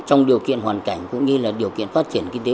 trong điều kiện hoàn cảnh cũng như là điều kiện phát triển kinh tế